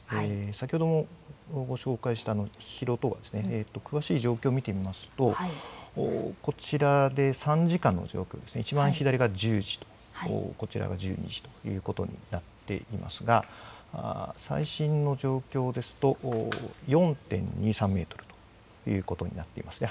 先ほどもご紹介した広渡川ですね、詳しい状況を見てみますと、こちらで３時間の状況ですね、一番左が１０時と、こちらが１２時ということになっていますが、最新の状況ですと、４．２３メートルということになっていますね。